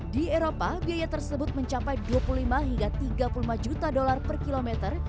di eropa biaya tersebut mencapai dua puluh lima hingga tiga puluh lima juta dolar per kilometer